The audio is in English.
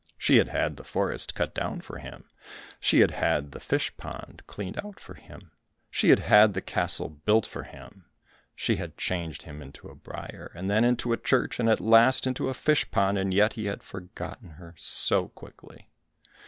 She had had the forest cut down for him, she had had the fish pond cleaned out for him, she had had the castle built for him, she had changed him into a briar, and then into a church, and at last into a fish pond, and yet he had forgotten her so quickly.